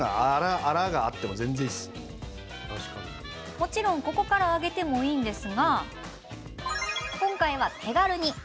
もちろんここから揚げてもいいのですが今回は、手軽に。